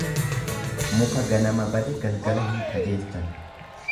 Muka ganama dabe galgala hin qajeelchan.